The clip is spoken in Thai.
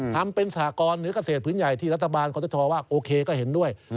ทำเป็นสหกรณ์หรือเกษตรพื้นใหญ่ที่รัฐบาลคอตชว่าโอเคก็เห็นด้วย